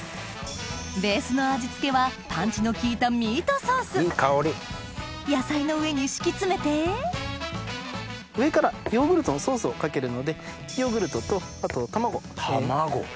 ベースの味付けはパンチの効いたミートソース野菜の上に敷き詰めて上からヨーグルトのソースをかけるのでヨーグルトとあと卵。卵。